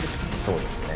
そうですね。